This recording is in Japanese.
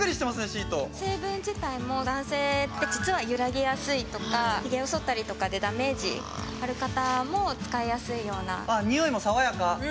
シート成分自体も男性って実はゆらぎやすいとかひげをそったりとかでダメージある方も使いやすいようなにおいも爽やか！